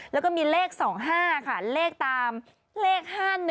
แล้วก็มีเลข๒๕ค่ะเลขตามเลข๕๑